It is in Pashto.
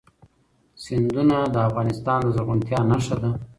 سیندونه د افغانستان د زرغونتیا نښه ده.